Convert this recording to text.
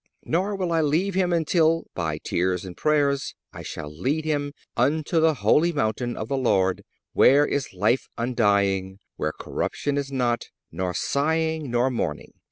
Nor will I leave him until, by tears and prayers, I shall lead him ... unto the holy mountain of the Lord, where is life undying, where corruption is not, nor sighing nor mourning."